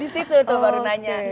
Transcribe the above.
di situ tuh baru nanya